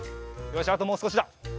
よしあともうすこしだ。